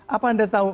apa anda tahu